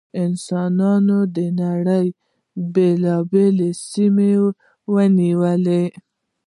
انسانانو د نړۍ بېلابېلې سیمې ونیولې.